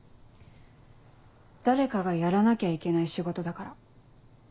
誰かがやらなきゃいけない仕事だから。